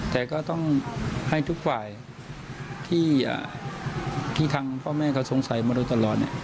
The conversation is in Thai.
แต่ก็ต้องให้ทุกฝ่ายที่ทางพ่อแม่เขาสงสัยมาโดยตลอด